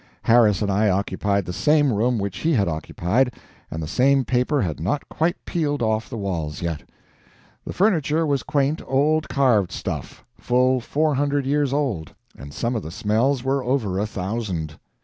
Harris and I occupied the same room which he had occupied and the same paper had not quite peeled off the walls yet. The furniture was quaint old carved stuff, full four hundred years old, and some of the smells were over a thousand.